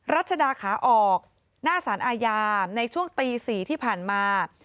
รัชดาขาออกหน้าสารอาญาในช่วงตี๔ที่ผ่านมา